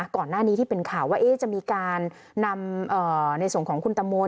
ก่อนหน้านี้ที่เป็นข่าวว่าจะมีการนำในส่วนของคุณตังโม